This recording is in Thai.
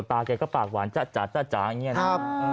ตาแกก็ปากหวานจ๊ะอย่างนี้นะ